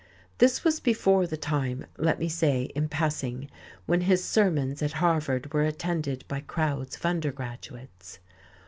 This was before the time, let me say in passing, when his sermons at Harvard were attended by crowds of undergraduates.